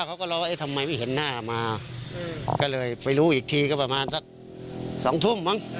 เขาก็ร้องว่าเอ๊ะทำไมไม่เห็นหน้ามาก็เลยไปรู้อีกทีก็ประมาณสักสองทุ่มมั้ง